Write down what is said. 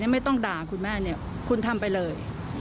ไม่ต้องด่าคุณแม่คุณทำไปเลย